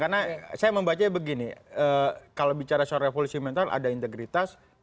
karena saya membaca begini kalau bicara soal revolusi mental ada integritas